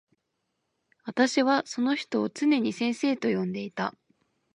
私はその人をつねに先生と呼んでいた。